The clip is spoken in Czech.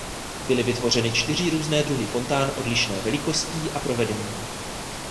Byly vytvořeny čtyři různé druhy fontán odlišné velikostí a provedením.